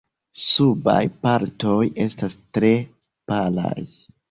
Subaj partoj estas tre palaj.